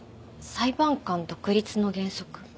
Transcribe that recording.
裁判官独立の原則？